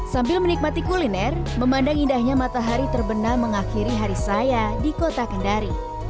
sambil menikmati kuliner memandang indahnya matahari terbenam mengakhiri hari saya di kota kendari